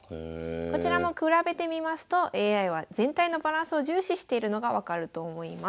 こちらも比べてみますとＡＩは全体のバランスを重視しているのが分かると思います。